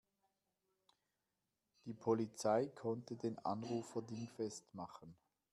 Die Polizei konnte den Anrufer dingfest machen.